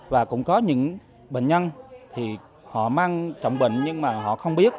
và cũng có những bệnh nhân thì họ mang trọng bệnh nhưng mà họ không biết